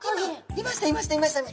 いましたいましたいましたね！